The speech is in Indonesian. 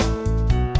oke sampai jumpa